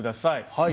はい。